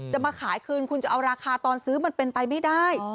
มาขายคืนคุณจะเอาราคาตอนซื้อมันเป็นไปไม่ได้